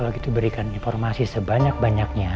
kalau begitu berikan informasi sebanyak banyaknya